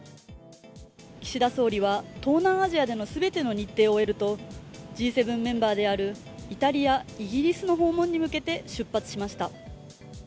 岸田総理は東南アジアでの全ての日程を終えるとＧ７メンバーであるイタリア、イギリスの訪問に向けて出発しました。